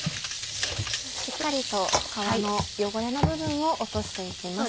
しっかりと皮の汚れの部分を落として行きます。